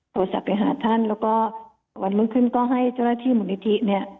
โทรศัพท์ไปหาท่านแล้วก็วันรุ่งขึ้นก็ให้เจ้าหน้าที่มูลนิธิเนี่ย